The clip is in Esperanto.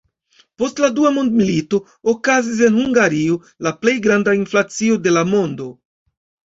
Post la Dua Mondmilito okazis en Hungario la plej granda inflacio de la mondo.